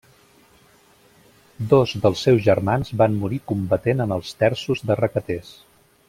Dos dels seus germans van morir combatent en els Terços de Requetés.